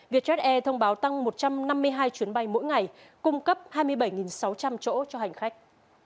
vietjet air thông báo tăng một trăm năm mươi hai chuyến bay mỗi ngày cung cấp hai mươi bảy sáu trăm linh chỗ cho hành khách